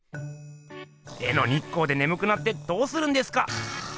絵の日光でねむくなってどうするんですか！